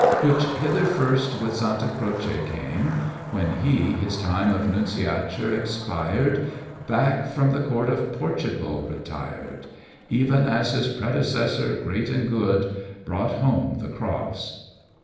Which hither first with Santa Croce came, When he, his time of nunciature expired, Back from the Court of Portugal retired; Even as his predecessor, great and good, Brought home the cross.